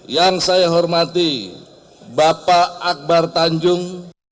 yang saya hormati bapak akbar tanjung